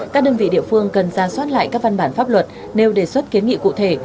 các đơn vị địa phương cần ra soát lại các văn bản pháp luật nêu đề xuất kiến nghị cụ thể